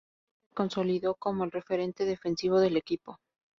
Desde entonces, se consolidó como el referente defensivo del equipo.